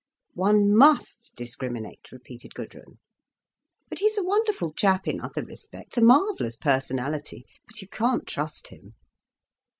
"One must discriminate," repeated Gudrun. "But he's a wonderful chap, in other respects—a marvellous personality. But you can't trust him."